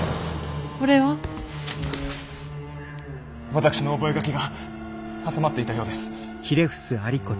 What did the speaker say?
私の覚書が挟まっていたようです。